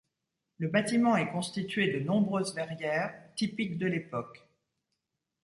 Le bâtiment est constitué de nombreuses verrières, typiques de l'époque.